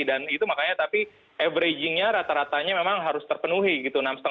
dan itu makanya tapi averagingnya rata ratanya memang harus terpenuhi gitu